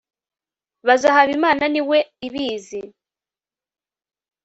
baza habimana niwe ibizi